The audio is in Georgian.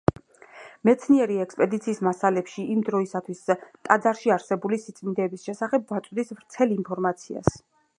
მეცნიერი, ექსპედიციის მასალებში, იმ დროისათვის ტაძარში არსებული სიწმინდეების შესახებ გვაწვდის ვრცელ ინფორმაციას.